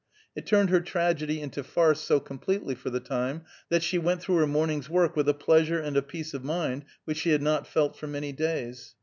It turned her tragedy into farce so completely, for the time, that she went through her morning's work with a pleasure and a peace of mind which she had not felt for many days.